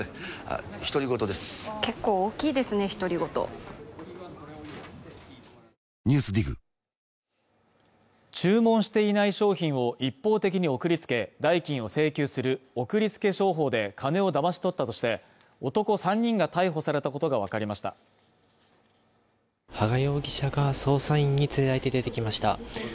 ポリグリップ注文していない商品を一方的に送りつけ代金を請求する送りつけ商法で金をだまし取ったとして男３人が逮捕されたことが分かりました羽賀容疑者が捜査員に連れられて出てきました